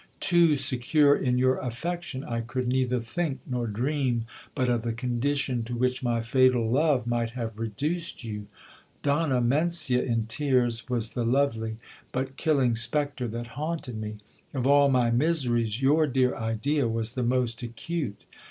Too secure in your affection, I could neither think nor dream but of the condition to which my fatal love might have reduced you. Donna Mencia in tears was the lovely, but killing spectre that haunted me ; of all my miseries, your dear idea was the most acute.